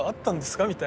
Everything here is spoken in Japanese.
みたいなね。